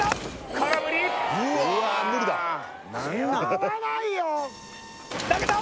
空振り投げた！